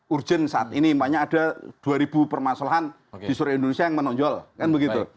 urgent saat ini makanya ada dua ribu permasalahan di seluruh indonesia yang menonjol kan begitu